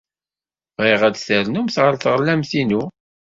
Bɣiɣ ad d-ternumt ɣer teɣlamt-inu.